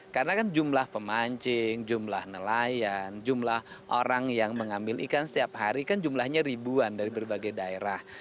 karena kan jumlah pemancing jumlah nelayan jumlah orang yang mengambil ikan setiap hari kan jumlahnya ribuan dari berbagai daerah